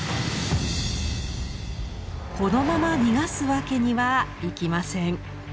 このまま逃がすわけにはいきません。